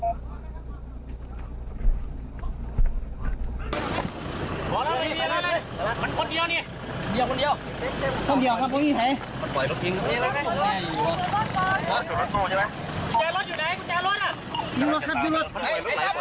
มันปล่อยรถยิงตรงนี้แหละไงใช่ใช่ใช่ใช่ใช่ใช่ใช่ใช่